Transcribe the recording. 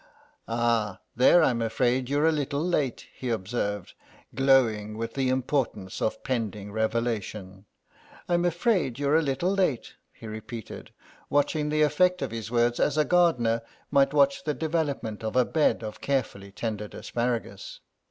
"Ah, there I'm afraid you're a little late," he observed, glowing with the importance of pending revelation; "I'm afraid you're a little late," he repeated, watching the effect of his words as a gardener might watch the development of a bed of carefully tended asparagus.